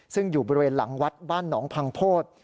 ซึ่งอยู่บริเวณหลังวัดบ้านหนองพังโพธิ